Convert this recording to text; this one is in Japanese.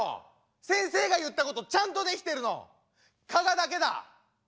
先生が言ったことちゃんとできてるの加賀だけだ。